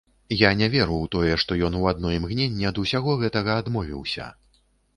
Я не веру ў тое, што ён у адно імгненне ад усяго гэтага адмовіўся.